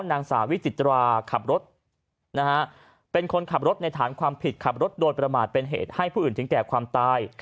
นางสาววิจิตราขับรถนะฮะเป็นคนขับรถในฐานความผิดขับรถโดยประมาทเป็นเหตุให้ผู้อื่นถึงแก่ความตาย